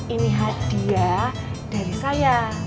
ini hadiah dari saya